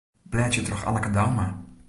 Blêdzje troch Anneke Douma.